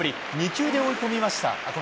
２球で追い込みました。